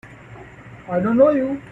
I don't know you!